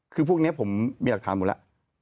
คือพวกนี้ผมมีหลักฐานหมดแล้ว